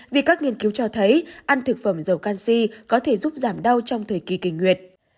vì các nghiên cứu cho thấy ăn thực phẩm dầu canxi có thể giúp giảm đau trong thời kỳ kinh nguyệt